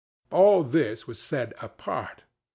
All this was said apart.